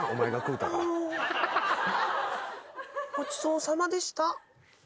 ごちそうさまでした。